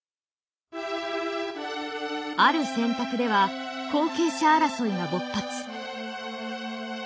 ある選択では後継者争いが勃発。